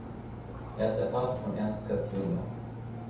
Er ist der Vater von Ernst Köpf junior.